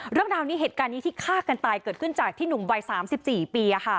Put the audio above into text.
เรื่องราวเมื่อเนี้ยคราวนี้ที่ฆ่ากันตายเกิดขึ้นกึดจากที่หนุ่มกว่า๓๔ปี